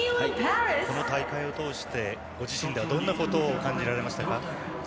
この大会を通してご自身ではどんなことを感じられましたか？